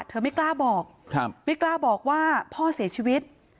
ไม่กล้าบอกไม่กล้าบอกว่าพ่อเสียชีวิต